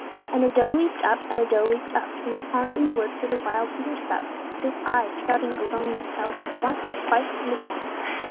And a doe leaped up, and a doe leaped up From the pond in the wood where the wild deer sup. This I, scouting alone, beheld, Once, twice and again!